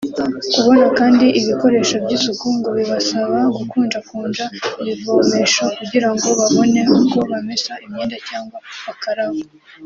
Kubona kandi ibikoresho by’isuku ngo bibasaba gukunjakunja ibivomesho kugira ngo babone uko bamesa imyenda cyangwa bakaraba